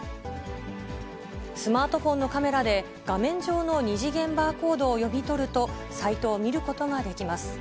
スマートフォンのカメラで、画面上の二次元バーコードを読み取るとサイトを見ることができます。